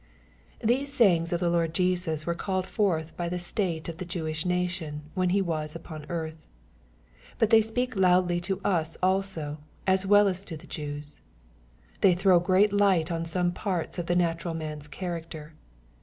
These sayings of the Lord Jesus were called forth by the state of the Jewish nation, when He was upon earth. But they speak loudly to us also, as well as to the Jews. They throw great light on some parts of the natural man's character.